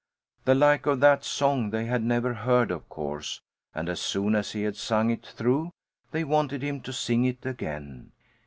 The like of that song they had never heard, of course, and as soon as he had sung it through they wanted him to sing it again.